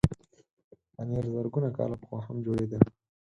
پنېر زرګونه کاله پخوا هم جوړېده.